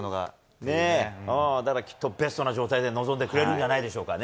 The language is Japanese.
きっとベストな状態で臨んでくれるんじゃないでしょうか。